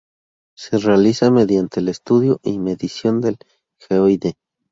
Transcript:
Se realiza mediante el estudio y medición del "geoide".